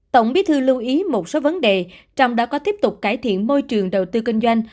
tổng bí thư lưu ý một số vấn đề trong đó có tiếp tục cải thiện môi trường đầu tư kinh doanh